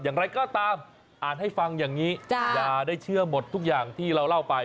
อย่างไรก็ตามอ่านให้ฟังอย่างนี้อย่าได้เชื่อหมดทุกอย่างที่เราเล่าไป